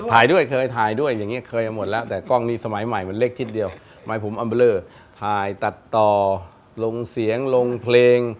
ถ่ายด้วยเคยถ่ายด้วยอย่างนี้เคยหมดแล้วแต่กล้องนี้สมัยใหม่มันเล็กทิศเดียวหมายผมอัมเบอร์เลอร์ถ่ายตัดต่อลงเสียงลงเพลง